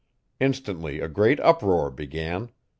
Instantly a great uproar began.